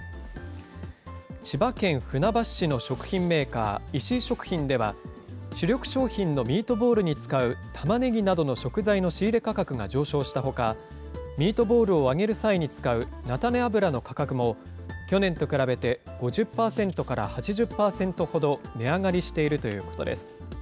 千葉県船橋市の食品メーカー、石井食品では、主力商品のミートボールに使うたまねぎなどの食材の仕入れ価格が上昇したほか、ミートボールを揚げる際に使う菜種油の価格も去年と比べて５０％から８０％ほど値上がりしているということです。